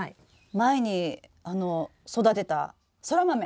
前に育てたソラマメ！